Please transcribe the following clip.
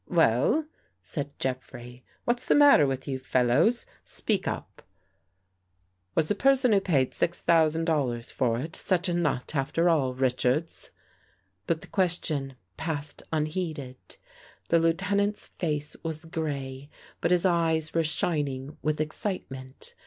"Well?" said Jeffrey. "What's the matter with you fellows? Speak up. Was the person 91 THE GHOST GIRL who paid six thousand dollars for it such a nut after all, Richards?'' But the question passed unheeded. The Lieuten ant's face was gray, but his eyes were shining with excitement.